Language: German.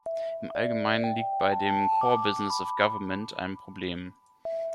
Im allgemeinen liegt bei dem core business of government ein Problem.